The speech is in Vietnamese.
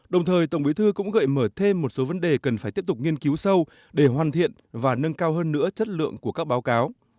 đồng thời tổng bí thư cũng gợi mở thêm một số vấn đề cần phải tiếp tục nghiên cứu sâu để hoàn thiện và nâng cao hơn nữa chất lượng của các báo cáo